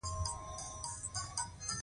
له داخلي تولیداتو ته د خارجې تقاضا زیاتېدل.